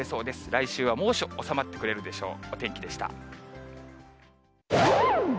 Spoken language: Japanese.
来週は猛暑、収まってくれるでしょう。